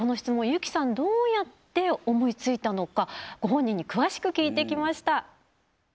優希さんどうやって思いついたのかご本人に詳しく聞いてきました。